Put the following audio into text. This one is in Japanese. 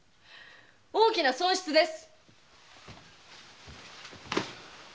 大きな損失です！